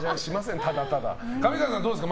上川さん、どうですか？